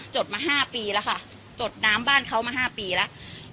ดมา๕ปีแล้วค่ะจดน้ำบ้านเขามา๕ปีแล้ว